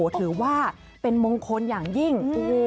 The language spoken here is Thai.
ถือว่าเป็นมงคลอย่างยิ่ง